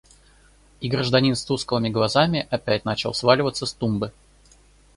И гражданин с тусклыми глазами опять начал сваливаться с тумбы.